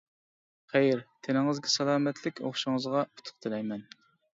خەير، تېنىڭىزگە سالامەتلىك، ئوقۇشىڭىزغا ئۇتۇق تىلەيمەن!